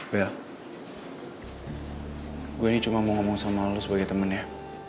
bell gue ini cuma mau ngomong sama lo sebagai temen ya